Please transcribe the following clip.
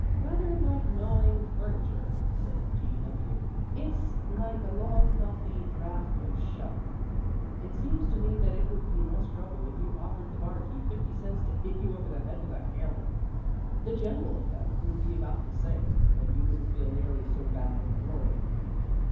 "Rather like gnawing furniture," said G W . "It's like a long, healthy draught of shellac. It seems to me that it would be less trouble if you offered the barkeep fifty cents to hit you over the head with a hammer. The general effect would be about the same, and you wouldn't feel nearly so bad in the morning."